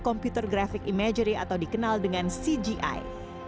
komputer graphic imagery atau dikenal dengan cgi